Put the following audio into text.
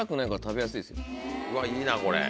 うわいいなこれ。